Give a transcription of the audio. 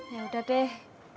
ya udah deh